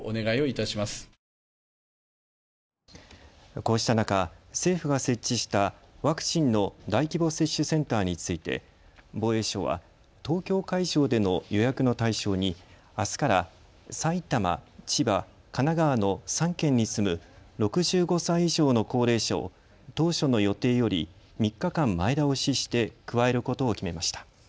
こうした中、政府が設置したワクチンの大規模接種センターについて防衛省は東京会場での予約の対象にあすから、埼玉、千葉、神奈川の３県に住む６５歳以上の高齢者を当初の予定より３日間前倒しして加えることを決めました。